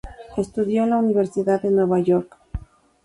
Estudió en la Universidad de Nueva York.